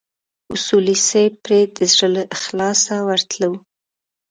اصولي صیب پرې د زړه له اخلاصه ورتلو.